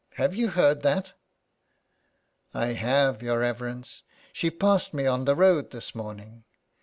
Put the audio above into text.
Have you heard that ?"" I have, your reverence. She passed me on the road this morning."